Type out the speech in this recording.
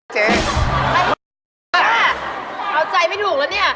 เอาใจไม่ถูกแล้วเนี่ย